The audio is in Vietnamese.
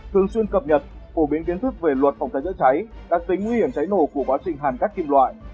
thường xuyên cập nhật phổ biến kiến thức về luật phòng cháy chữa cháy đặc tính nguy hiểm cháy nổ của quá trình hàn cắt kim loại